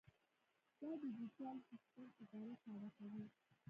دا ډیجیټل سیسټم اداره ساده کوي.